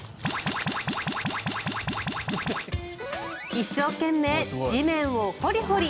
一生懸命、地面を掘り掘り。